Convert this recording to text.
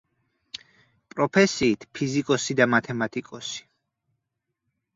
პროფესიით ფიზიკოსი და მათემატიკოსი.